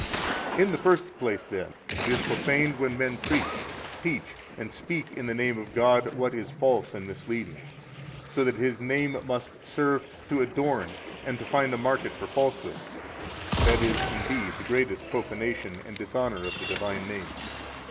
41 In the first place, then, it is profaned when men preach, teach, and speak in the name of God what is false and misleading, so that His name must serve to adorn and to find a market for falsehood. That is, indeed, the greatest profanation and dishonor of the divine name.